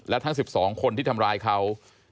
และทั้ง๑๒คนที่ทำร้ายเขา